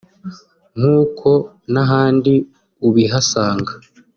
nk’uko n’ahandi ubihasanga